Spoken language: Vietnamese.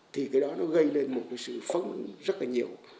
thì cái đó gây lên một sự phóng rất nhiều